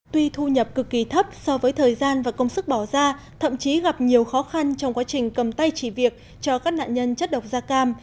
tuy thu nhập cực kỳ thấp so với thời gian và công sức bỏ ra thậm chí gặp nhiều khó khăn trong quá trình cầm tay chỉ việc cho các nạn nhân chất độc da cam